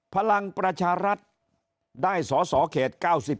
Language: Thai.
พลังประชารัฐได้สอสอเขต๙๓